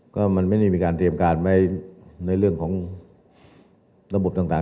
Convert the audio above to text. ก็มันไม่ได้มีการเตรียมการไว้ในเรื่องของระบบต่าง